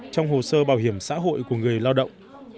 trong hồ sơ bảo hiểm xã hội của người lao động